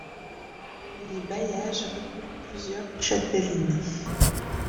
Les bailliages regroupent plusieurs châtellenies.